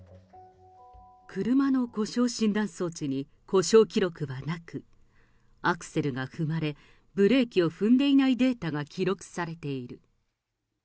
車の故障診断装置に故障記録はなく、アクセルが踏まれ、ブレーキを踏んでいないデータが記録されている。